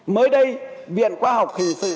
mới đây viện khoa học hình sự